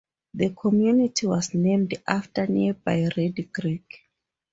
The community was named after nearby Reedy Creek.